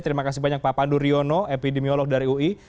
terima kasih banyak pak pandu riono epidemiolog dari ui